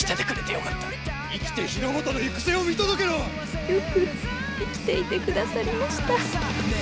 よく生きていてくださりました。